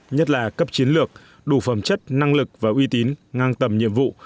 nhất là cấp chiến lược đủ phẩm chất năng lực và uy tín ngang tầm nhiệm vụ